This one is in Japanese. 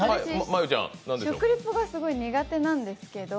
私、食リポがすごい苦手なんですけど。